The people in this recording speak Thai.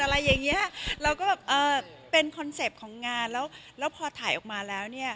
เราก็เป็นคอนเซ็ปต์ของงานแล้วพอถ่ายออกมาแล้ว